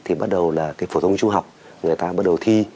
thì bắt đầu là cái phổ thông trung học người ta bắt đầu thi